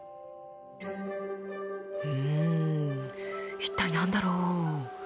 うん一体何だろう？